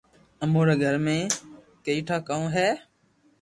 امو ري گھر ۾ ڪئي ٺا ڪاو ھي